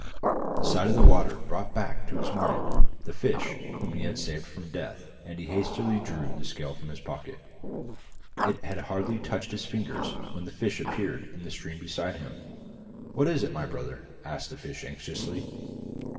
The sight of the water brought back to his mind the fish whom he had saved from death, and he hastily drew the scale from his pocket. It had hardly touched his fingers when the fish appeared in the stream beside him. 'What is it, my brother?' asked the fish anxiously.